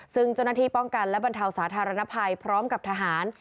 ซึ่งเจ้าหน้าที่ป้องกันและบรรเทาสาธารณภัยพร้อมกับทหาร